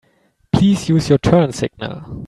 Please use your turn signal.